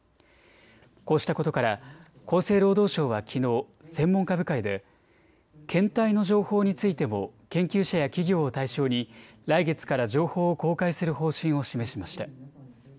こうしたことから厚生労働省はきのう、専門家部会で検体の情報についても研究者や企業を対象に来月から情報を公開する方針を示しました。